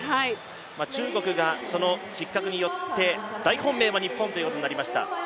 中国が失格によって大本命は日本ということになりました。